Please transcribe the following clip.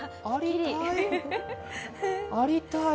ありたい？